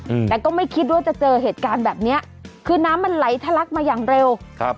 อืมแต่ก็ไม่คิดว่าจะเจอเหตุการณ์แบบเนี้ยคือน้ำมันไหลทะลักมาอย่างเร็วครับ